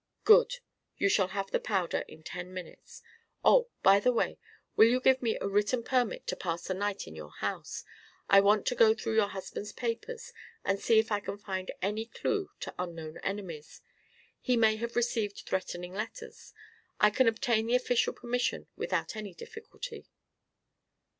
"Good! You shall have the powder in ten minutes. Oh, by the way, will you give me a written permit to pass the night in your house? I want to go through your husband's papers and see if I can find any clue to unknown enemies. He may have received threatening letters. I can obtain the official permission without any difficulty."